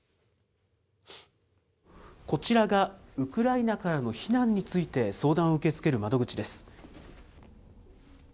こちらがウクライナからの避難について相談を受け付ける窓口です。